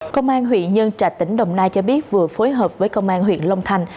công an huyện nhân trạch tỉnh đồng nai cho biết vừa phối hợp với công an huyện long thành